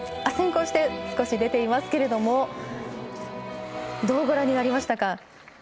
先行して、少し出ていますがどうご覧になりましたか？